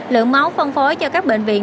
lượng máu phân phối cho các bệnh viện